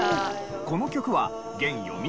この曲は現読売